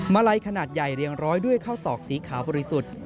มาลัยขนาดใหญ่เรียงร้อยด้วยข้าวตอกสีขาวบริสุทธิ์